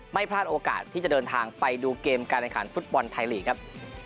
ไม่พลาดโอกาสที่จะเดินทางไปดูเกมการแข่งขันฟุตบอลไทยลีกครับ